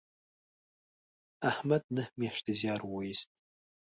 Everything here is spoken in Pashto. احمد نهه میاشتې زیار و ایست